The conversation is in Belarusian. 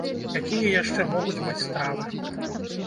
Якія яшчэ могуць быць стравы?